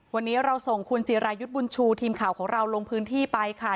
วันนี้เราส่งคุณจิรายุทธ์บุญชูทีมข่าวของเราลงพื้นที่ไปค่ะ